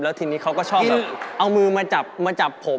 แล้วทีนี้เขาก็ชอบเอามือมาจับผม